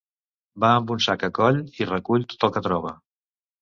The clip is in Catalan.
Va amb un sac a coll i recull tot el que troba.